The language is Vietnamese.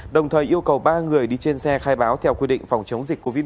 đồng thời yêu cầu ba người đi trên xe khai báo theo quy định phòng chống dịch covid một mươi chín